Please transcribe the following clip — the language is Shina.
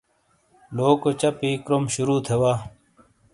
لوکو چا پی کروم شروع تھے وا۔